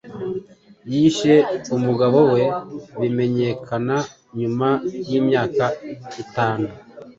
Yishe umugabo we bimenyekana nyuma y’imyaka itanu